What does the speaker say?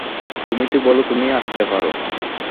তুমি তো বলো তুমি আঁকতে পারো।